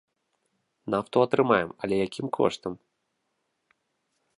Нафту атрымаем, але якім коштам?